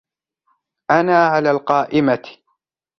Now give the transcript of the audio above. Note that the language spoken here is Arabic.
أنا على القائمة.